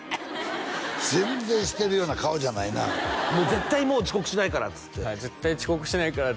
全然してるような顔じゃないな「絶対もう遅刻しないから」っつってはい「絶対遅刻しないから」